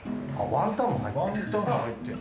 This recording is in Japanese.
ワンタンも入ってる。